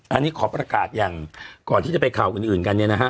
อันนี้ขอประกาศอย่างก่อนที่จะไปข่าวอื่นกันเนี่ยนะฮะ